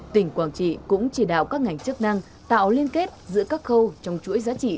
tỉnh quảng trị cũng chỉ đạo các ngành chức năng tạo liên kết giữa các khâu trong chuỗi giá trị